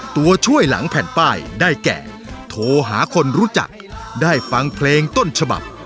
ตัวช่วยหลังแผ่นป้ายได้แก่โทรหาคนรู้จักได้ฟังเพลงต้นฉบับ